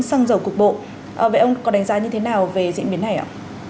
xăng dầu cục bộ vậy ông có đánh giá như thế nào về diễn biến này ạ